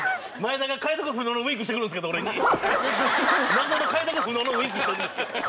謎の解読不能のウィンクしてるんですけど。